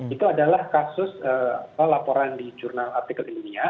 itu adalah kasus laporan di jurnal artikel indonesia